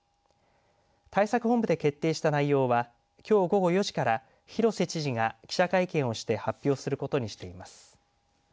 対策本部で決定した内容はきょう午後４時から広瀬知事が記者会見をして発表することにしています。